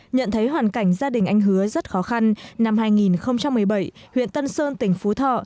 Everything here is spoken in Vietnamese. nhận thấy hoàn cảnh gia đình anh hứa rất khó khăn năm hai nghìn một mươi bảy huyện tân sơn tỉnh phú thọ